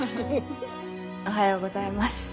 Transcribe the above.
おはようございます。